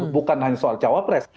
bukan hanya soal cawapres